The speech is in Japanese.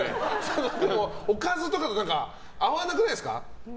でも、おかずとかと合わなくないですか？